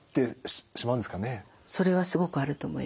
それはすごくあると思いますね。